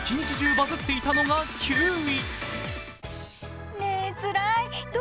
バズっていたのが９位。